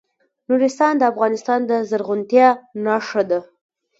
نورستان د افغانستان د زرغونتیا نښه ده.